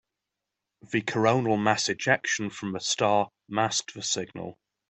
The coronal mass ejection from the star masked the signal.